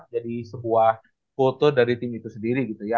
jadi sebuah kultur dari tim itu sendiri gitu ya